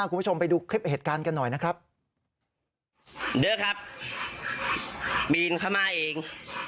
คุณผู้ชมไปดูคลิปเหตุการณ์กันหน่อยนะครับเยอะครับปีนเข้ามาเอง